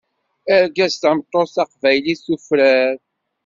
Argaz tameṭṭut, taqbaylit tufrar.